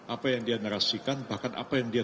apa yang dia narasikan bahkan apa yang dia